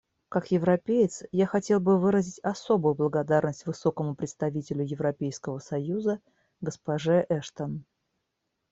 Как европеец я хотел бы выразить особую благодарность Высокому представителю Европейского союза госпоже Эштон.